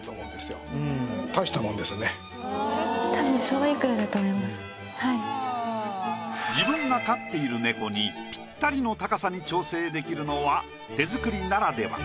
ちょうど自分が飼っている猫にぴったりの高さに調整できるのは手づくりならでは。